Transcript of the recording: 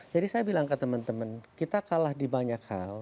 jadi saya bilang ke teman teman kita kalah di banyak hal